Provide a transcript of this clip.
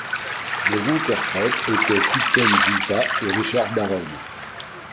Les interprètes étaient Thubten Jinpa et Richard Barron.